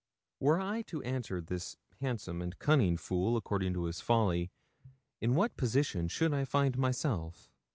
Were I to answer this handsome and cunning fool according to his folly, in what position should I find myself?